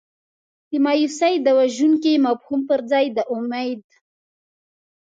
د مایوسۍ د وژونکي مفهوم پر ځای د امید.